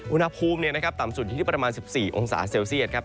อุณหภูมิต่ำสุดอยู่ที่ประมาณ๑๔องศาเซลเซียตครับ